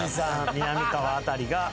みなみかわあたりが。